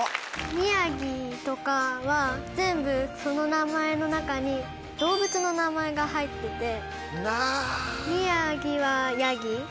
「みやぎ」とかは全部その名前の中に動物の名前が入ってて。